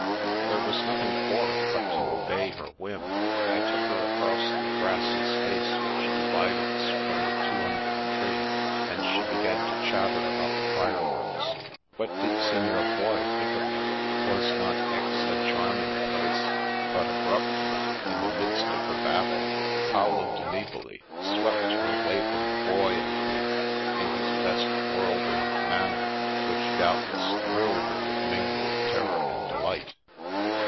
There was nothing for it but to obey her whim. I took her across the grassy space which divided us from the two under the tree, and she began to chatter about the fireworks. What did Signor Boy think of them? Was not Aix a charming place? But abruptly, in the midst of her babble, Paolo di Nivoli swept her away from the Boy and me, in his best " whirlwind " manner, which doubtless thrilled her with mingled terror and delight.